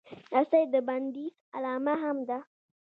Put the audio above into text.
رسۍ د بندیز علامه هم ده.